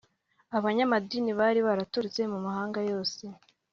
abanyamadini bari baraturutse mu mahanga yose